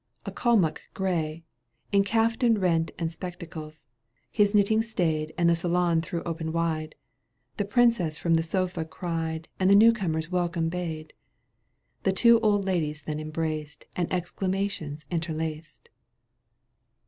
A Kalmuck gray, in caftan rent And spectacles, his knitting staid And the saloon threw open wide ; The princess from the sofa cried And the newcomers welcome bade. The two old ladies then embraced And exclamations interlaced.